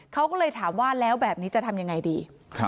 เขาก็เลยถามว่าแล้วแบบนี้จะทำยังไงดี